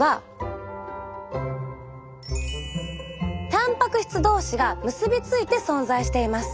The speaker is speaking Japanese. たんぱく質同士が結びついて存在しています。